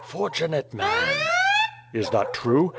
Fortunate man!" "Is that true?